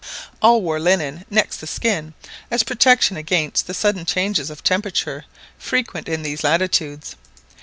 All wore linen next the skin as a protection against the sudden changes of temperature frequent in these latitudes.